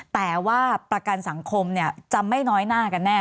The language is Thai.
แต่ว่าประกันสังคมจะไม่น้อยหน้ากันแน่